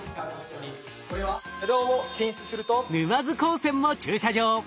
沼津高専も駐車場。